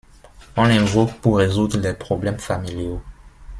On l'invoque pour résoudre les problèmes familiaux.